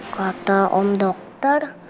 kata om dokter